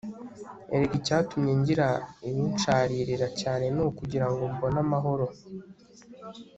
erega icyatumye ngira ibinsharirira cyane ni ukugira ngo mbone amahoro